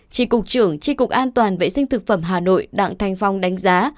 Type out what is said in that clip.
chỉ cục trưởng chỉ cục an toàn vệ sinh thực phẩm hà nội đặng thành phong đánh giá